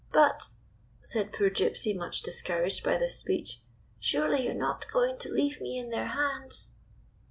"But," said poor Gypsy, much discouraged by this speech, "surely you 're not going to leave me in their hands?"